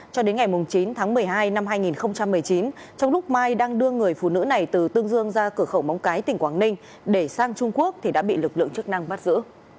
cho đến ngày chín tháng một mươi hai năm hai nghìn một mươi chín trong lúc mai đang đưa người phụ nữ này từ tương dương ra cửa khẩu móng cái tỉnh quảng ninh để sang trung quốc thì đã bị lực lượng chức năng bắt giữ